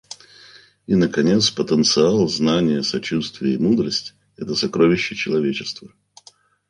И, наконец, потенциал, знания, сочувствие и мудрость — это сокровища человечества.